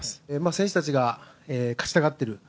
選手たちが勝ちたがっている。